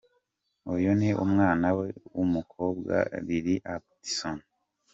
Uyu ni umwana we w'umukobwa Lily Atkinson.